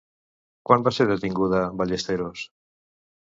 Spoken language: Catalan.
Quan va ser detinguda Ballesteros?